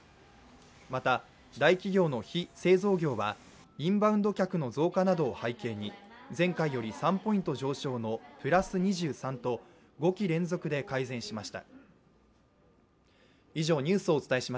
また、大企業の非製造業はインバウンド客の増加などを背景に前回より３ポイント上昇のプラス２３と５期連続で改善しました。